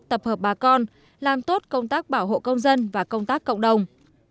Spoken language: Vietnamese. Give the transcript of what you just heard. tập hợp bà con làm tốt công tác bảo hộ công dân và công tác cộng đồng